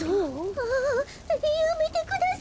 ああやめてください。